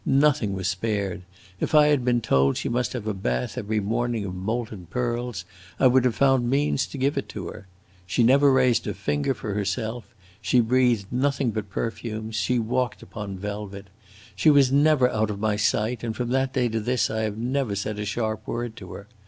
Nothing was spared; if I had been told that she must have a bath every morning of molten pearls, I would have found means to give it to her. She never raised a finger for herself, she breathed nothing but perfumes, she walked upon velvet. She never was out of my sight, and from that day to this I have never said a sharp word to her.